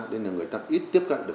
nên là người ta ít tiếp cận được